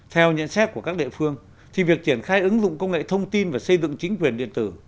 theo nhận xét của các địa phương thì việc triển khai ứng dụng công nghệ thông tin và xây dựng chính quyền điện tử